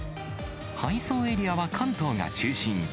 配送エリアは関東が中心。